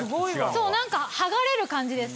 そうなんかはがれる感じです。